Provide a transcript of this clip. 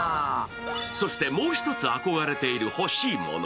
そして、もう一つ憧れている欲しいもの。